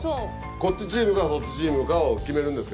こっちチームかそっちチームかを決めるんですけど。